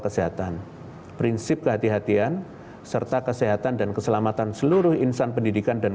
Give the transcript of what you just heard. kesehatan prinsip kehatian kehatian serta kesehatan dan keselamatan seluruh insan pendidikan dan